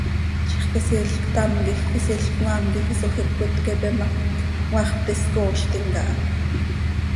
Quisiil ctam quij quisiil cmaam quij isoj iic cöitqueepe ma, cmaax pti scooztim caha.